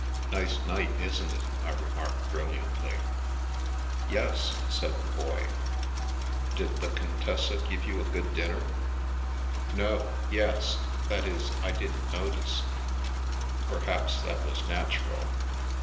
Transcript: Nice night, isn't it ?" I remarked brilliantly. Yes," said the Boy. " Did the Contessa give you a good dinner? "" No — ^ycs — ^that is, I didn't notice." " Perhaps that was natural."